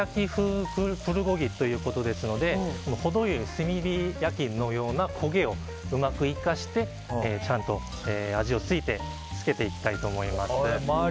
炭火焼き風プルコギということですので程良い炭火焼きのような焦げをうまく生かしてちゃんと味をつけていきたいと思います。